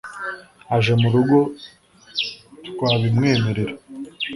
aje mu rugo twabimwereka